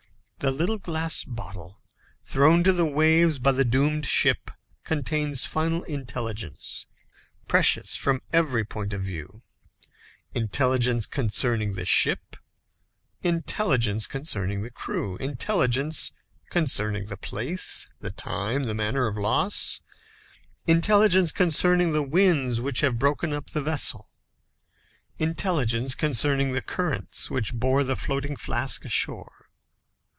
The little glass bottle thrown to the waves by the doomed ship, contains final intelligence, precious from every point of view. Intelligence concerning the ship, intelligence concerning the crew, intelligence concerning the place, the time, the manner of loss, intelligence concerning the winds which have broken up the vessel, intelligence concerning the currents which bore the floating flask ashore.